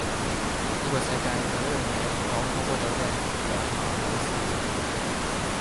依個世界有一樣野講好過做嘅，就係馬可思主義!